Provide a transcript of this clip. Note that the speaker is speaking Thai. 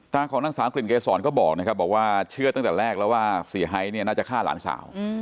ตาของนักศักดิ์กลิ่นเกษรก็บอกว่าเชื่อตั้งแต่แรกแล้วว่าเสียไฮนี่น่าจะฆ่าหลานสาว